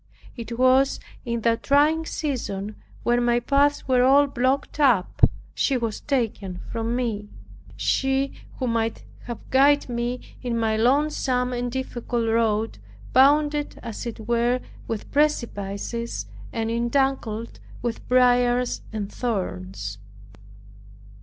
It was in that trying season when my paths were all blocked up, she was taken from me. She who might have guided me in my lonesome and difficult road, bounded as it were with precipices, and entangled with briars and thorns.